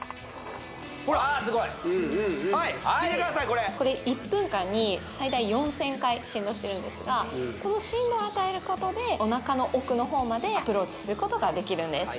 これこれ１分間に最大４０００回振動してるんですがこの振動を与えることでお腹の奥の方までアプローチすることができるんです